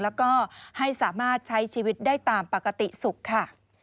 แล้วก็ให้สามารถใช้ชีวิตได้ตามปกติสุขค่ะ